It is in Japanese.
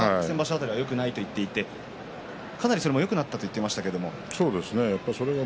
辺りよくないと言っていましたがかなりそれもよくなったと言っていましたね。